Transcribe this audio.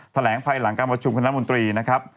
แถลงภายหลังการประชุมคณะมนตรีนะครับ